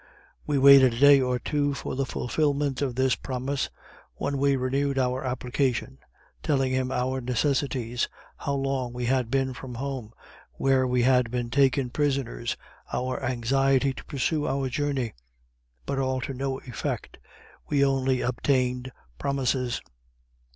We waited a day or two for the fulfilment of this promise, when we renewed our application, telling him our necessities, how long we had been from home, where we had been taken prisoners, our anxiety to pursue our journey but all to no effect; we only obtained promises.